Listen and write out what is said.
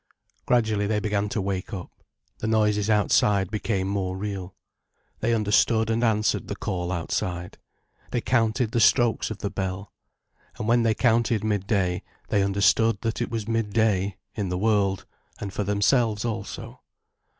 Gradually they began to wake up, the noises outside became more real. They understood and answered the call outside. They counted the strokes of the bell. And when they counted midday, they understood that it was midday, in the world, and for themselves also.